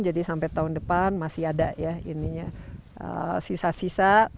jadi sampai tahun depan masih ada ya ininya sisa sisa